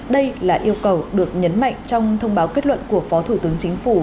đây là yêu cầu được nhấn mạnh trong thông báo kết luận của phó thủ tướng chính phủ